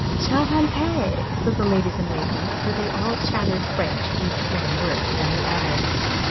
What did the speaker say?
charmant!' said the ladies in waiting, for they all chattered French, each one worse than the other.